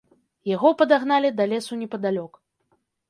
Яго падагналі да лесу непадалёк.